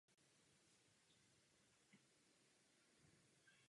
Pro efekt přeletu je rozhodující rozdíl parametrů dvou sousedních snímků.